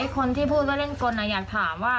คนที่พูดว่าเล่นกลอยากถามว่า